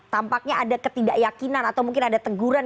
tampaknya ada ketidakyakinan atau mungkin ada teguran